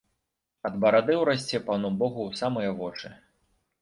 Ад барады ўрасце пану богу ў самыя вочы.